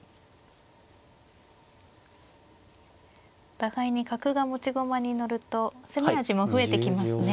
お互いに角が持ち駒にのると攻め味も増えてきますね。